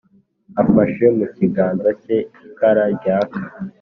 afashe mu kiganza cye ikara ryaka,